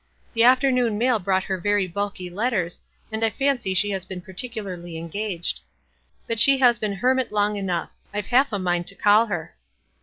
The afternoon mail brought her very bulky letters, and I fancy she has been particularly engaged. But she haa been hermit long enough. I've half a mind to call her."